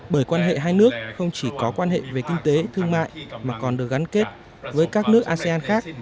bởi quan hệ hai nước không chỉ có quan hệ về kinh tế thương mại mà còn được gắn kết với các nước asean khác